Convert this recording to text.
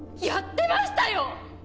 やってましたよ！